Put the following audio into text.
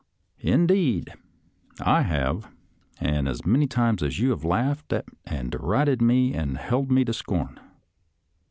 Indeed, I have, and as many times you have laughed at and derided me, and held me up to scorn.